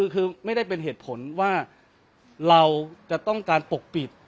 คือไม่ได้เป็นเหตุผลว่าเราจะต้องการปกปิด